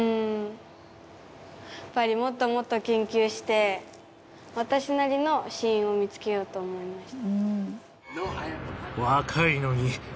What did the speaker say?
やっぱりもっともっと研究して私なりの死因を見付けようと思いました。